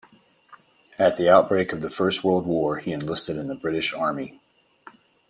At the outbreak of the First World War he enlisted in the British Army.